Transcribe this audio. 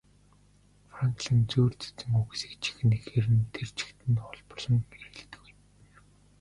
Франклин зүйр цэцэн үгсийг жинхэнэ эхээр нь тэр чигт нь хуулбарлан хэрэглэдэггүй.